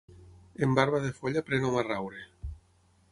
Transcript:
En barba de foll aprèn hom a raure.